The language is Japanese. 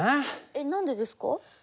えっ何でですか？